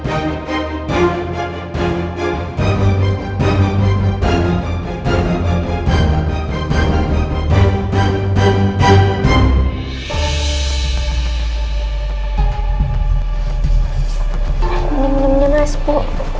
ini ini mas bu